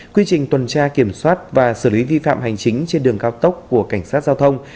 quy trình tuần tra kiểm soát và xử lý vi phạm hành chính trên đường cao tốc của cảnh sát giao thông